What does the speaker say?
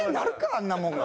あんなもんが。